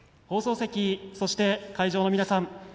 放送席、そして会場の皆さん。